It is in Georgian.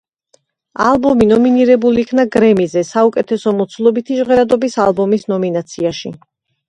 ალბომი ნომინირებული იქნა გრემიზე, საუკეთესო მოცულობითი ჟღერადობის ალბომის ნომინაციაში.